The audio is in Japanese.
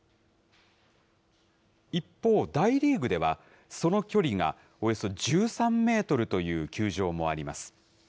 一方、大リーグでは、その距離がおよそ１３メートルという球場もあります。